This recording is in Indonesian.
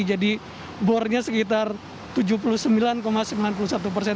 jadi bornya sekitar tujuh puluh sembilan sembilan puluh satu persen